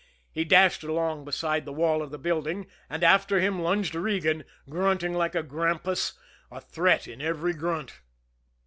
He dashed along beside the wall of the building and after him lunged Regan, grunting like a grampus, a threat in every grunt.